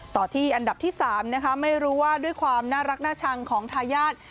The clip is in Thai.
ต่อที่อันดับที่๓นะคะไม่รู้ว่าด้วยความน่ารักน่าชังของทายาท